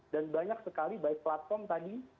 dan banyak sekali baik platform tadi